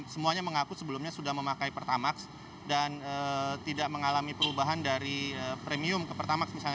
semuanya mengaku sebelumnya sudah memakai pertamax dan tidak mengalami perubahan dari premium ke pertamax misalnya